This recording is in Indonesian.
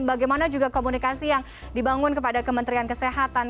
bagaimana juga komunikasi yang dibangun kepada kementerian kesehatan